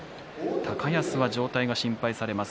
高安は状態が心配されます。